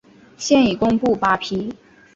现已公布八批。